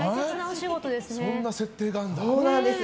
そんな設定があるんだ。